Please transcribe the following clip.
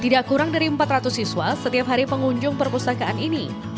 tidak kurang dari empat ratus siswa setiap hari pengunjung perpustakaan ini